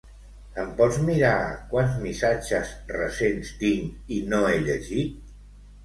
Em pots mirar quants missatges recents tinc i no he llegit?